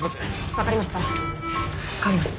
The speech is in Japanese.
わかりました。